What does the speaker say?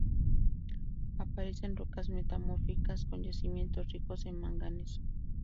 Aparece en rocas metamórficas con yacimientos ricos en manganeso.